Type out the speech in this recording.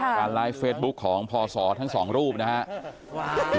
การไลฟ์เฟซบุ๊คของพศทั้งสองรูปนะครับ